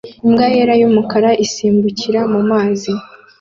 Imbwa yera n'umukara isimbukira mu mazi